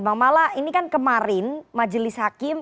bang mala ini kan kemarin majelis hakim